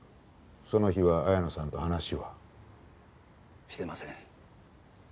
その日は綾野さんと話は？してません。